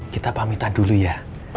kita pamitah dulu ya